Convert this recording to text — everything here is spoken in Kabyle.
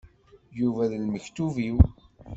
Yuba d lmektub-iw.